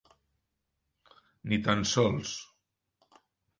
Ni tan sols.